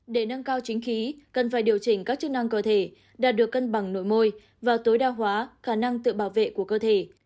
để nâng cao chính khí cần phải điều chỉnh các chức năng cơ thể đạt được cân bằng nội môi và tối đa hóa khả năng tự bảo vệ của cơ thể